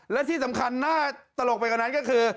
และที่สำคัญน่าตลกไปกว่านั้นก็คือ